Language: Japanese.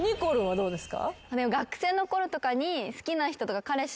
どうですか？